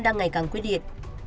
đang ngày càng quyết điện